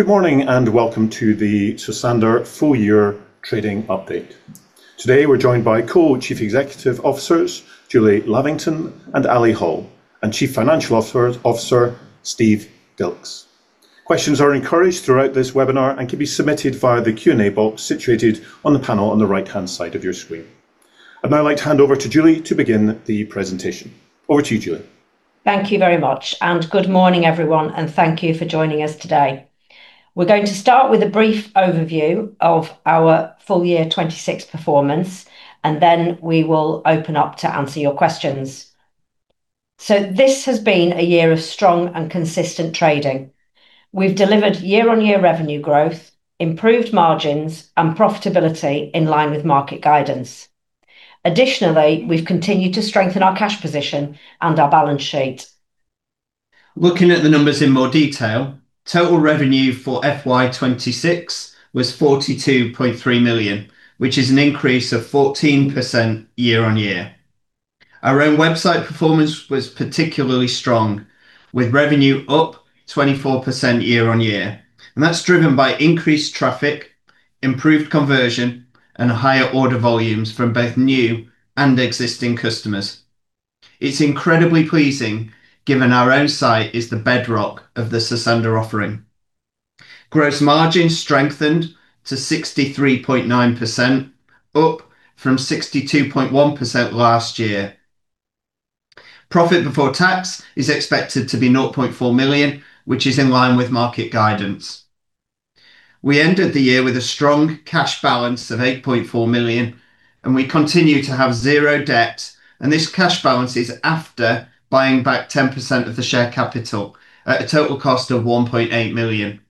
Good morning and welcome to the Sosandar Full Year Trading Update. Today we're joined by Co-Chief Executive Officers, Julie Lavington and Ali Hall, and Chief Financial Officer, Stephen Dilks. Questions are encouraged throughout this webinar and can be submitted via the Q&A box situated on the panel on the right-hand side of your screen. I'd now like to hand over to Julie to begin the presentation. Over to you, Julie. Thank you very much, and good morning, everyone, and thank you for joining us today. We're going to start with a brief overview of our full year 2026 performance, and then we will open up to answer your questions. This has been a year of strong and consistent trading. We've delivered year-on-year revenue growth, improved margins, and profitability in line with market guidance. Additionally, we've continued to strengthen our cash position and our balance sheet. Looking at the numbers in more detail, Total Revenue for FY 2026 was 42.3 million, which is an increase of 14% year-on-year. Our own website performance was particularly strong, with revenue up 24% year-on-year, and that's driven by increased traffic, improved conversion, and higher order volumes from both new and existing customers. It's incredibly pleasing given our own site is the bedrock of the Sosandar offering. Gross margin strengthened to 63.9%, up from 62.1% last year. Profit before tax is expected to be 0.4 million, which is in line with market guidance. We ended the year with a strong cash balance of 8.4 million, and we continue to have zero debt, and this cash balance is after buying back 10% of the share capital at a total cost of 1.8 million.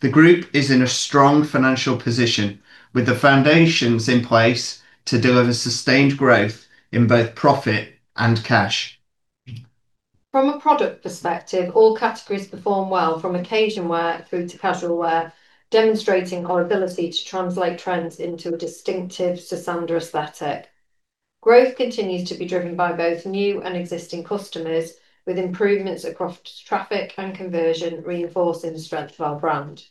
The group is in a strong financial position with the foundations in place to deliver sustained growth in both profit and cash. From a product perspective, all categories perform well from occasion wear through to casual wear, demonstrating our ability to translate trends into a distinctive Sosandar aesthetic. Growth continues to be driven by both new and existing customers with improvements across traffic and conversion reinforcing the strength of our brand.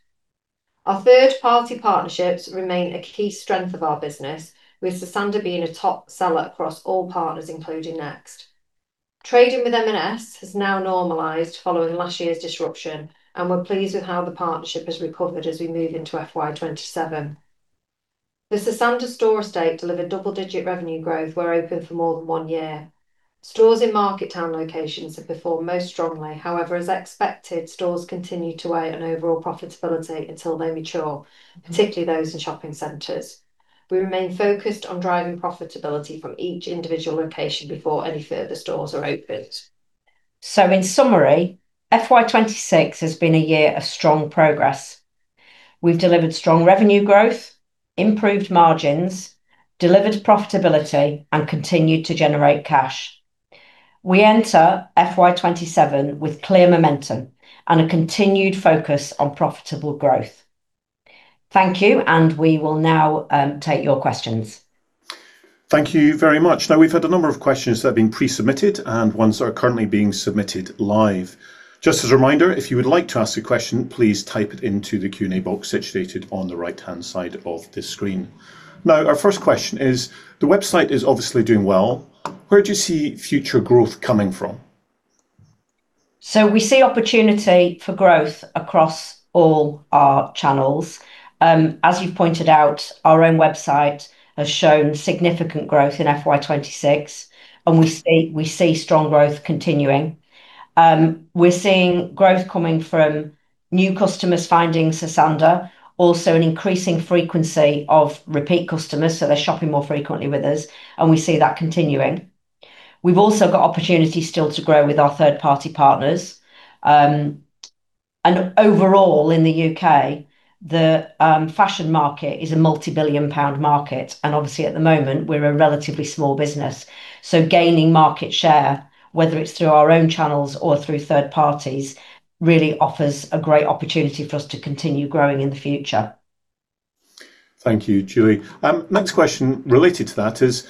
Our third-party partnerships remain a key strength of our business with Sosandar being a top seller across all partners including Next. Trading with M&S has now normalized following last year's disruption, and we're pleased with how the partnership has recovered as we move into FY 2027. The Sosandar store estate delivered double-digit revenue growth where open for more than one year. Stores in market town locations have performed most strongly. However, as expected, stores continue to weigh on overall profitability until they mature, particularly those in shopping centers. We remain focused on driving profitability from each individual location before any further stores are opened. In summary, FY 2026 has been a year of strong progress. We've delivered strong revenue growth, improved margins, delivered profitability, and continued to generate cash. We enter FY 2027 with clear momentum and a continued focus on profitable growth. Thank you, and we will now take your questions. Thank you very much. Now we've had a number of questions that have been pre-submitted and ones that are currently being submitted live. Just as a reminder, if you would like to ask a question, please type it into the Q&A box situated on the right-hand side of this screen. Now our first question is, the website is obviously doing well. Where do you see future growth coming from? We see opportunity for growth across all our channels. As you've pointed out, our own website has shown significant growth in FY 2026, and we see strong growth continuing. We're seeing growth coming from new customers finding Sosandar, also an increasing frequency of repeat customers, so they're shopping more frequently with us, and we see that continuing. We've also got opportunity still to grow with our third-party partners. Overall in the U.K., the fashion market is a multibillion pound market, and obviously at the moment we're a relatively small business, so gaining market share, whether it's through our own channels or through third parties, really offers a great opportunity for us to continue growing in the future. Thank you, Julie. Next question related to that is,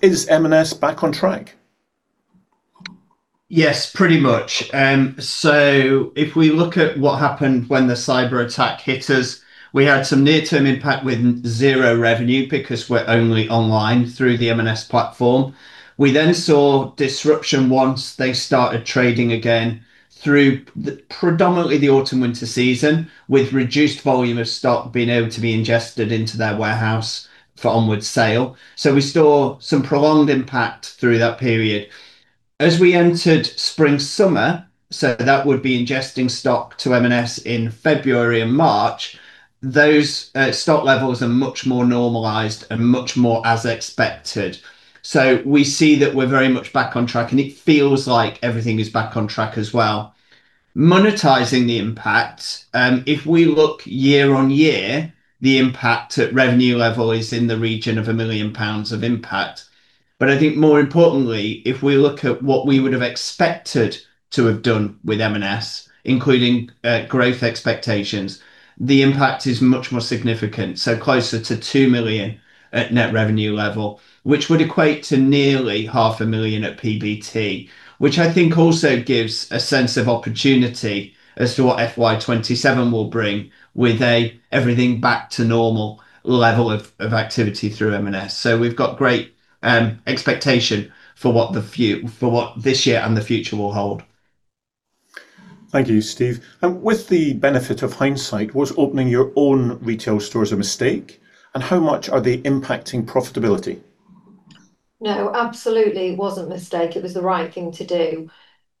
is M&S back on track? Yes, pretty much. If we look at what happened when the cyberattack hit us, we had some near-term impact with zero revenue because we're only online through the M&S platform. We then saw disruption once they started trading again through predominantly the autumn/winter season, with reduced volume of stock being able to be ingested into their warehouse for onward sale. We saw some prolonged impact through that period. As we entered spring/summer, so that would be ingesting stock to M&S in February and March, those stock levels are much more normalized and much more as expected. We see that we're very much back on track, and it feels like everything is back on track as well. Monetizing the impact, if we look year-on-year, the impact at revenue level is in the region of 1 million pounds of impact. I think more importantly, if we look at what we would have expected to have done with M&S, including growth expectations, the impact is much more significant. Closer to 2 million at net revenue level, which would equate to nearly 500,000 at PBT, which I think also gives a sense of opportunity as to what FY 2027 will bring with everything back to normal level of activity through M&S. We've got great expectation for what this year and the future will hold. Thank you, Steve. With the benefit of hindsight, was opening your own retail stores a mistake? How much are they impacting profitability? No, absolutely it wasn't a mistake. It was the right thing to do.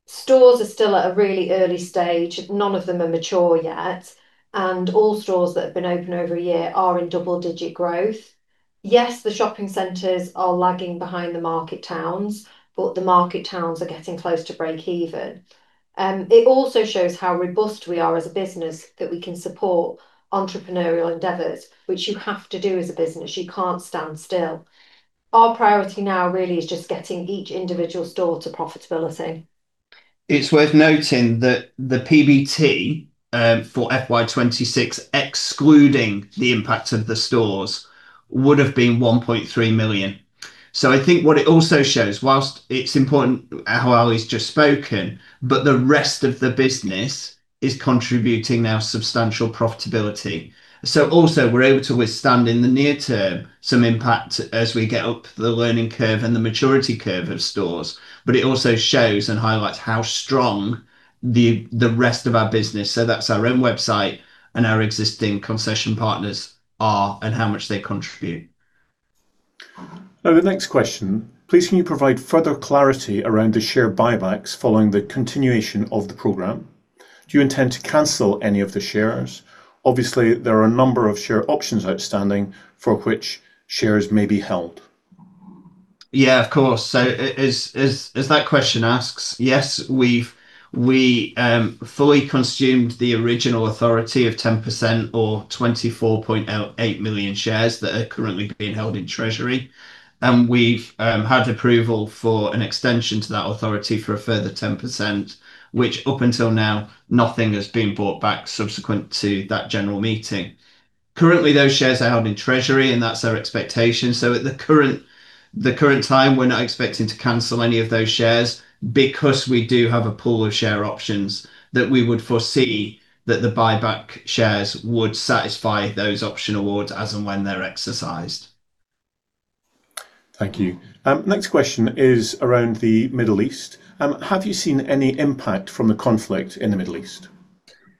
Stores are still at a really early stage. None of them are mature yet. All stores that have been open over a year are in double-digit growth. Yes, the shopping centers are lagging behind the market towns, but the market towns are getting close to breakeven. It also shows how robust we are as a business that we can support entrepreneurial endeavors, which you have to do as a business. You can't stand still. Our priority now really is just getting each individual store to profitability. It's worth noting that the PBT for FY 2026, excluding the impact of the stores, would've been 1.3 million. I think what it also shows, whilst it's important how Ali's just spoken, but the rest of the business is contributing now substantial profitability. Also we're able to withstand in the near term some impact as we get up the learning curve and the maturity curve of stores. It also shows and highlights how strong the rest of our business, so that's our own website and our existing concession partners are and how much they contribute. Now the next question. Please, can you provide further clarity around the share buybacks following the continuation of the program? Do you intend to cancel any of the shares? Obviously, there are a number of share options outstanding for which shares may be held. Yeah, of course. As that question asks, yes, we fully consumed the original authority of 10% or 24.8 million shares that are currently being held in treasury. We've had approval for an extension to that authority for a further 10%, which up until now nothing has been bought back subsequent to that general meeting. Currently, those shares are held in treasury, and that's our expectation. At the current time, we're not expecting to cancel any of those shares because we do have a pool of share options that we would foresee that the buyback shares would satisfy those option awards as and when they're exercised. Thank you. Next question is around the Middle East. Have you seen any impact from the conflict in the Middle East?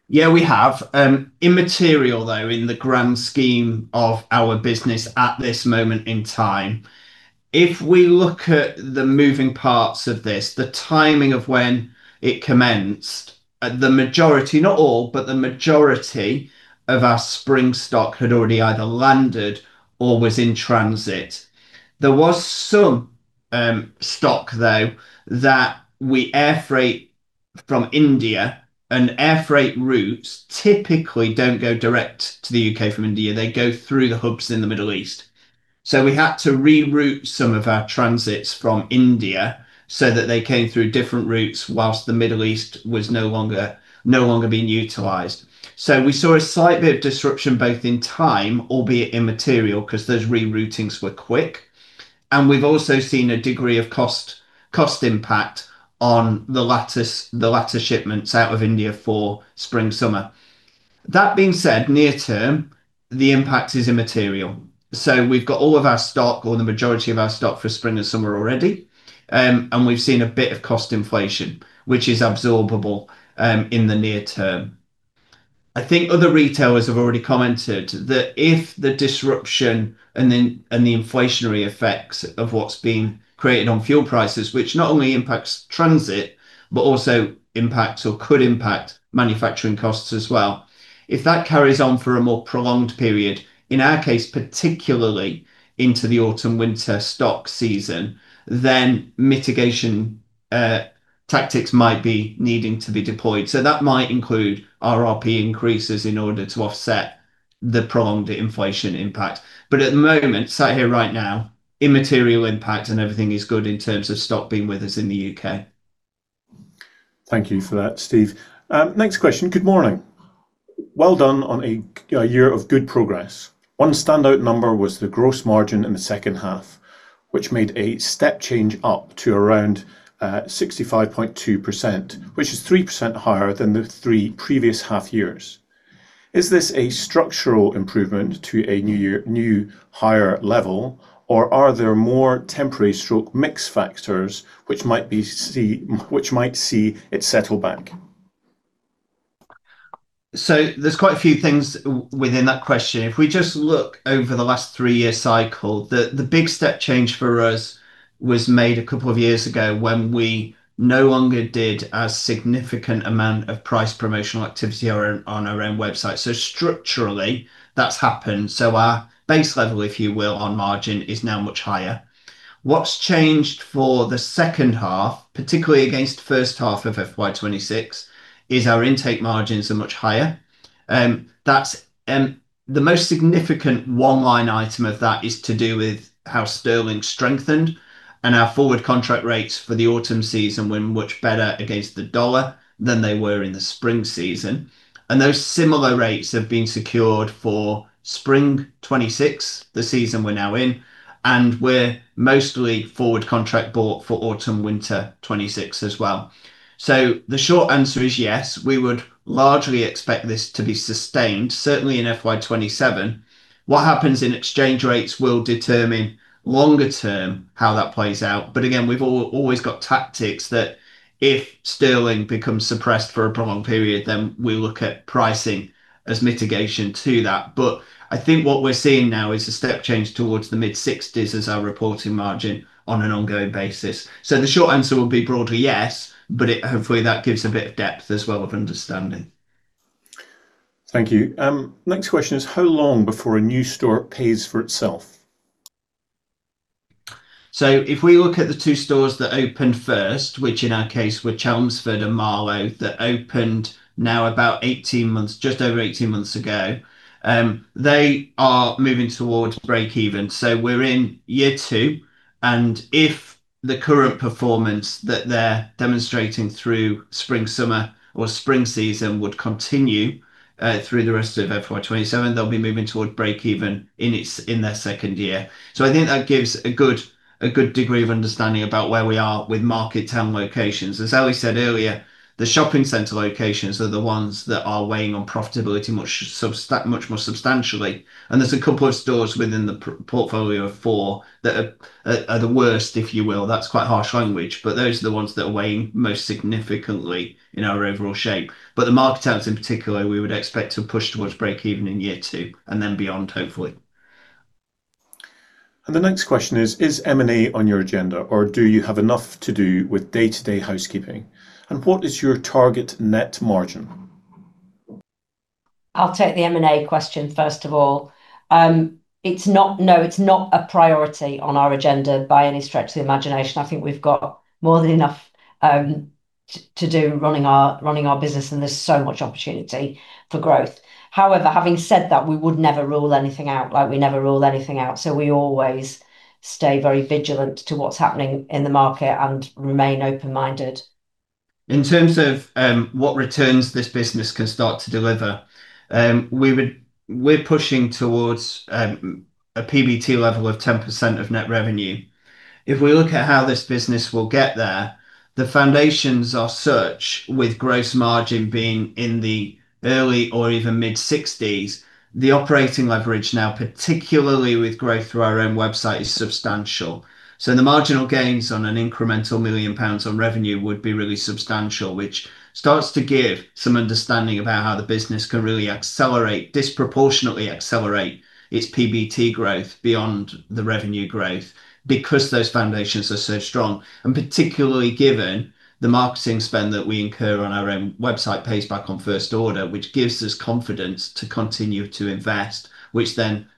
Yeah, we have. Immaterial though in the grand scheme of our business at this moment in time. If we look at the moving parts of this, the timing of when it commenced, the majority, not all, but the majority of our spring stock had already either landed or was in transit. There was some stock though that we air freight from India, and air freight routes typically don't go direct to the U.K. from India. They go through the hubs in the Middle East. We had to reroute some of our transits from India so that they came through different routes whilst the Middle East was no longer being utilized. We saw a slight bit of disruption both in time, albeit immaterial because those reroutings were quick, and we've also seen a degree of cost impact on the latter shipments out of India for spring/summer. That being said, near-term, the impact is immaterial. We've got all of our stock or the majority of our stock for spring and summer already. We've seen a bit of cost inflation, which is absorbable in the near-term. I think other retailers have already commented that if the disruption and the inflationary effects of what's been created on fuel prices, which not only impacts transit, but also impacts or could impact manufacturing costs as well, if that carries on for a more prolonged period, in our case particularly into the autumn/winter stock season, then mitigation tactics might be needing to be deployed. That might include RRP increases in order to offset the prolonged inflation impact. At the moment, sat here right now, immaterial impact and everything is good in terms of stock being with us in the U.K. Thank you for that, Steve. Next question. Good morning. Well done on a year of good progress. One standout number was the gross margin in the second half, which made a step change up to around 65.2%, which is 3% higher than the three previous half years. Is this a structural improvement to a new higher level, or are there more temporary stroke mix factors which might see it settle back? There's quite a few things within that question. If we just look over the last three-year cycle, the big step change for us was made a couple of years ago when we no longer did a significant amount of price promotional activity on our own website. Structurally, that's happened. Our base level, if you will, on margin is now much higher. What's changed for the second half, particularly against first half of FY 2026, is our intake margins are much higher. The most significant one line item of that is to do with how sterling strengthened and our forward contract rates for the autumn season were much better against the dollar than they were in the spring season. Those similar rates have been secured for spring 2026, the season we're now in, and we're mostly forward contract bought for autumn/winter 2026 as well. The short answer is yes, we would largely expect this to be sustained, certainly in FY 2027. What happens in exchange rates will determine longer term how that plays out, but again, we've always got tactics that if sterling becomes suppressed for a prolonged period, then we look at pricing as mitigation to that. I think what we're seeing now is a step change towards the mid-60s as our reporting margin on an ongoing basis. The short answer will be broadly yes, but hopefully that gives a bit of depth as well of understanding. Thank you. Next question is how long before a new store pays for itself? So if we look at the two stores that opened first, which in our case were Chelmsford and Marlow, that opened now about 18 months, just over 18 months ago, they are moving towards breakeven. So we're in year two, and if the current performance that they're demonstrating through spring/summer or spring season would continue through the rest of FY 2027, they'll be moving toward breakeven in their second year. So I think that gives a good degree of understanding about where we are with market town locations. As Ali said earlier, the shopping center locations are the ones that are weighing on profitability much more substantially, and there's a couple of stores within the portfolio of four that are the worst, if you will. That's quite harsh language, but those are the ones that are weighing most significantly in our overall shape. The market towns in particular, we would expect to push towards breakeven in year two and then beyond, hopefully. The next question is, is M&A on your agenda, or do you have enough to do with day-to-day housekeeping? What is your target net margin? I'll take the M&A question first of all. No, it's not a priority on our agenda by any stretch of the imagination. I think we've got more than enough to do running our business, and there's so much opportunity for growth. However, having said that, we would never rule anything out, like we never rule anything out. We always stay very vigilant to what's happening in the market and remain open-minded. In terms of what returns this business can start to deliver, we're pushing towards a PBT level of 10% of net revenue. If we look at how this business will get there, the foundations are such with gross margin being in the early or even mid-60s, the operating leverage now, particularly with growth through our own website, is substantial. The marginal gains on an incremental 1 million pounds on revenue would be really substantial, which starts to give some understanding about how the business can really accelerate, disproportionately accelerate its PBT growth beyond the revenue growth, because those foundations are so strong. Particularly given the marketing spend that we incur on our own website pays back on first order, which gives us confidence to continue to invest, which then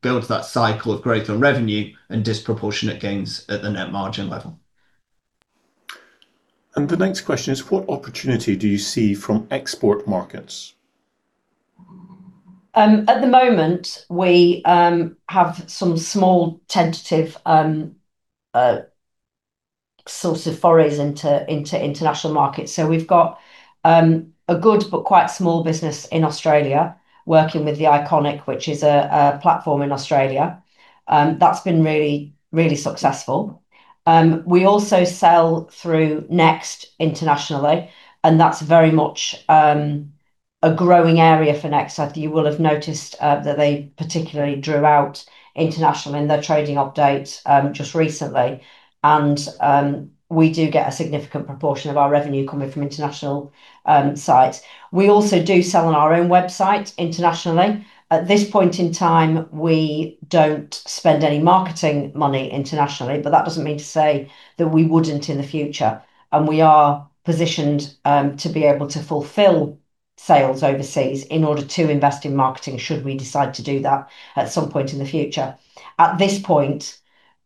builds that cycle of growth on revenue and disproportionate gains at the net margin level. The next question is, what opportunity do you see from export markets? At the moment, we have some small tentative sorts of forays into international markets. We've got a good but quite small business in Australia working with THE ICONIC, which is a platform in Australia. That's been really successful. We also sell through Next internationally, and that's very much a growing area for Next. You will have noticed that they particularly drew out international in their trading update just recently, and we do get a significant proportion of our revenue coming from international sites. We also do sell on our own website internationally. At this point in time, we don't spend any marketing money internationally, but that doesn't mean to say that we wouldn't in the future. We are positioned to be able to fulfill sales overseas in order to invest in marketing should we decide to do that at some point in the future. At this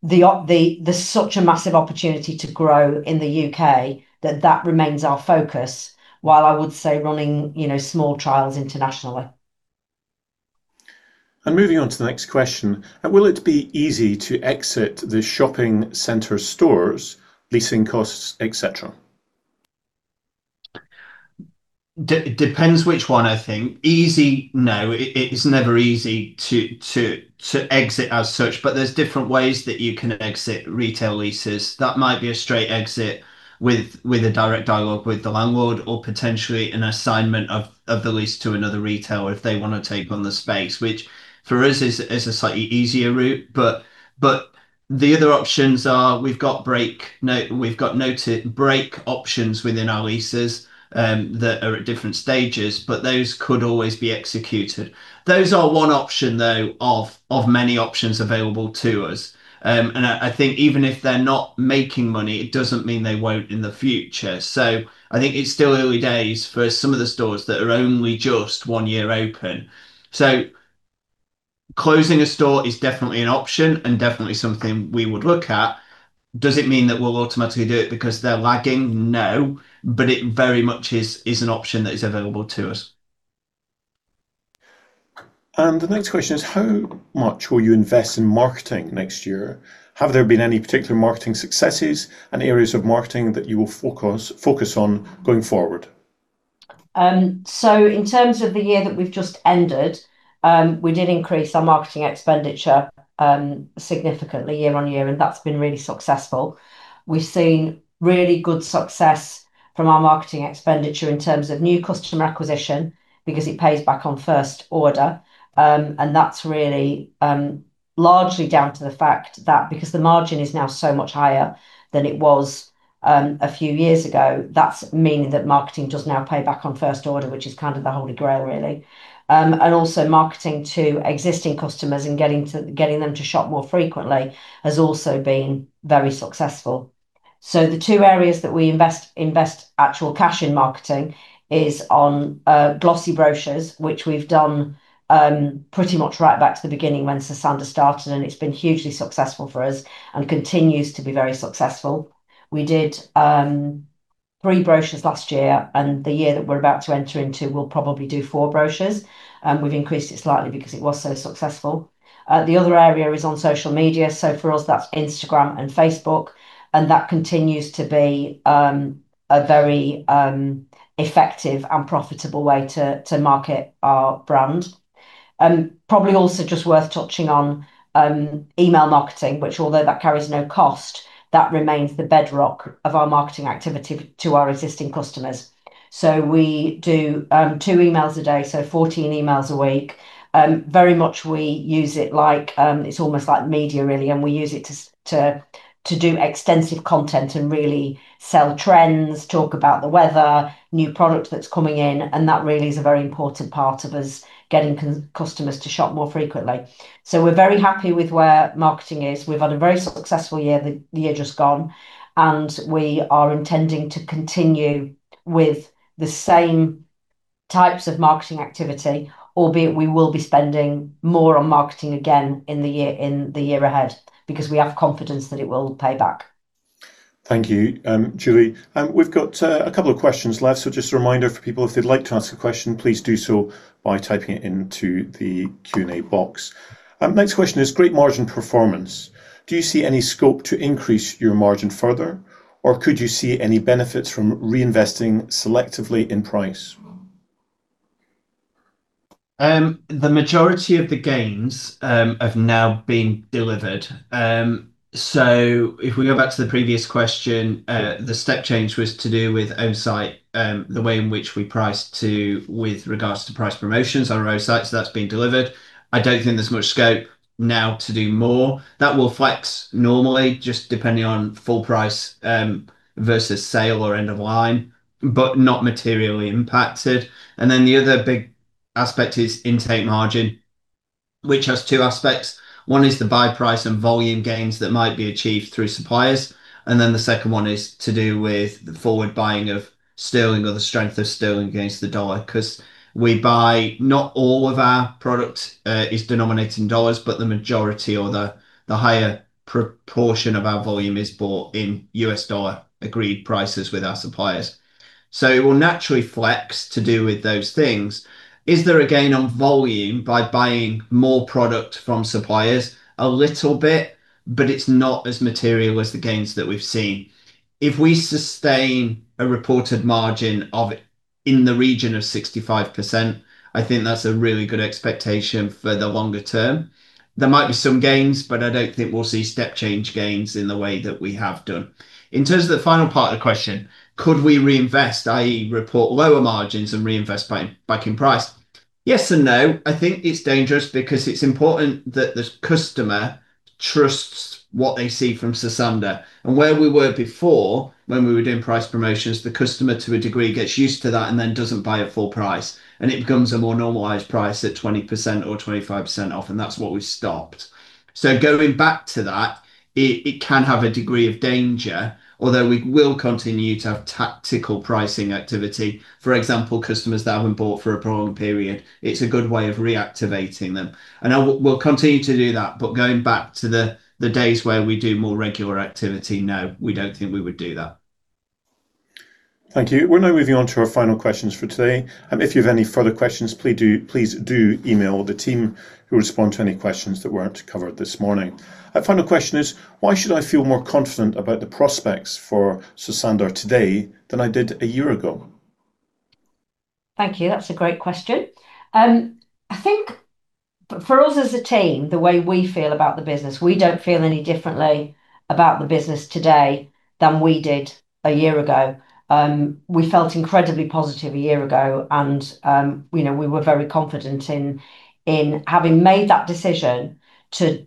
point, there's such a massive opportunity to grow in the U.K. that that remains our focus, while I would say running small trials internationally. Moving on to the next question, will it be easy to exit the shopping center stores, leasing costs, et cetera? Depends which one, I think. Easy, no. It is never easy to exit as such, but there's different ways that you can exit retail leases. That might be a straight exit with a direct dialogue with the landlord or potentially an assignment of the lease to another retailer if they want to take on the space, which for us is a slightly easier route. The other options are we've got noted break options within our leases that are at different stages, but those could always be executed. Those are one option, though, of many options available to us, and I think even if they're not making money, it doesn't mean they won't in the future. I think it's still early days for some of the stores that are only just one year open. Closing a store is definitely an option and definitely something we would look at. Does it mean that we'll automatically do it because they're lagging? No, but it very much is an option that is available to us. And the next question is, how much will you invest in marketing next year? Have there been any particular marketing successes and areas of marketing that you will focus on going forward? In terms of the year that we've just ended, we did increase our marketing expenditure significantly year-on-year, and that's been really successful. We've seen really good success from our marketing expenditure in terms of new customer acquisition because it pays back on first order, and that's really largely down to the fact that because the margin is now so much higher than it was a few years ago, that's meaning that marketing does now pay back on first order, which is kind of the holy grail, really. Also, marketing to existing customers and getting them to shop more frequently has also been very successful. The two areas that we invest actual cash in marketing is on glossy brochures, which we've done pretty much right back to the beginning when Sosandar started, and it's been hugely successful for us and continues to be very successful. We did three brochures last year, and the year that we're about to enter into, we'll probably do four brochures. We've increased it slightly because it was so successful. The other area is on social media. For us, that's Instagram and Facebook, and that continues to be a very effective and profitable way to market our brand. Probably also just worth touching on email marketing, which although that carries no cost, that remains the bedrock of our marketing activity to our existing customers. We do two emails a day, so 14 emails a week. Very much we use it like it's almost like media really, and we use it to do extensive content and really sell trends, talk about the weather, new product that's coming in, and that really is a very important part of us getting customers to shop more frequently. We're very happy with where marketing is. We've had a very successful year, the year just gone, and we are intending to continue with the same types of marketing activity, albeit we will be spending more on marketing again in the year ahead, because we have confidence that it will pay back. Thank you, Julie. We've got a couple of questions left. Just a reminder for people, if they'd like to ask a question, please do so by typing it into the Q&A box. Next question is, great margin performance. Do you see any scope to increase your margin further, or could you see any benefits from reinvesting selectively in price? The majority of the gains have now been delivered. If we go back to the previous question, the step change was to do with own site, the way in which we priced to with regards to price promotions on our own site. That's been delivered. I don't think there's much scope now to do more. That will flex normally just depending on full price versus sale or end of line, but not materially impacted. The other big aspect is intake margin, which has two aspects. One is the buy price and volume gains that might be achieved through suppliers, and then the second one is to do with the forward buying of sterling or the strength of sterling against the dollar. We buy, not all of our product is denominated in dollars, but the majority or the higher proportion of our volume is bought in U.S. dollar agreed prices with our suppliers. It will naturally flex to do with those things. Is there a gain on volume by buying more product from suppliers? A little bit, but it's not as material as the gains that we've seen. If we sustain a reported margin of in the region of 65%, I think that's a really good expectation for the longer term. There might be some gains, but I don't think we'll see step-change gains in the way that we have done. In terms of the final part of the question, could we reinvest, i.e. report lower margins and reinvest back in price? Yes and no. I think it's dangerous because it's important that the customer trusts what they see from Sosandar. Where we were before when we were doing price promotions, the customer to a degree, gets used to that and then doesn't buy at full price, and it becomes a more normalized price at 20% or 25% off, and that's what we've stopped. Going back to that, it can have a degree of danger, although we will continue to have tactical pricing activity. For example, customers that haven't bought for a prolonged period, it's a good way of reactivating them, and we'll continue to do that. Going back to the days where we do more regular activity, no, we don't think we would do that. Thank you. We're now moving on to our final questions for today. If you have any further questions, please do email the team who will respond to any questions that weren't covered this morning. Our final question is, why should I feel more confident about the prospects for Sosandar today than I did a year ago? Thank you. That's a great question. I think for us as a team, the way we feel about the business, we don't feel any differently about the business today than we did a year ago. We felt incredibly positive a year ago, and we were very confident in having made that decision to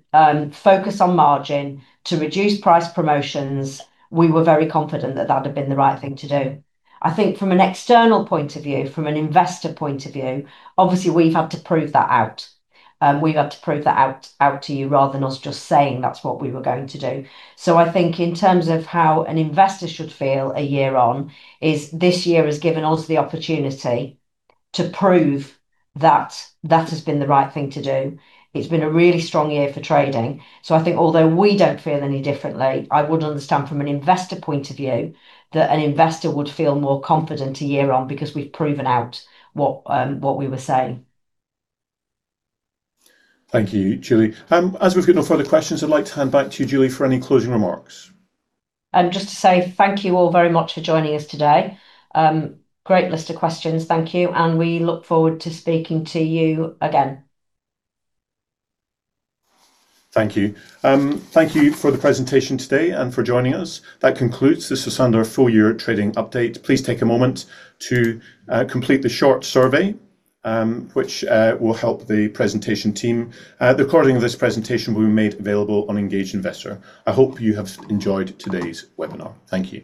focus on margin, to reduce price promotions. We were very confident that that had been the right thing to do. I think from an external point of view, from an investor point of view, obviously we've had to prove that out to you rather than us just saying that's what we were going to do. I think in terms of how an investor should feel a year on is this year has given us the opportunity to prove that that has been the right thing to do. It's been a really strong year for trading. I think although we don't feel any differently, I would understand from an investor point of view that an investor would feel more confident a year on because we've proven out what we were saying. Thank you, Julie. As we've got no further questions, I'd like to hand back to you, Julie, for any closing remarks. Just to say thank you all very much for joining us today. Great list of questions, thank you. We look forward to speaking to you again. Thank you for the presentation today and for joining us. That concludes the Sosandar Full Year Trading Update. Please take a moment to complete the short survey, which will help the presentation team. The recording of this presentation will be made available on Engage Investor. I hope you have enjoyed today's webinar. Thank you.